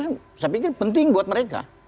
saya pikir penting buat mereka